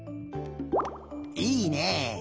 いいね。